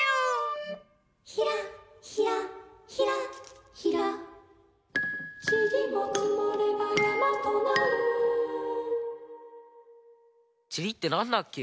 ヒラヒラヒラヒラちりってなんだっけ？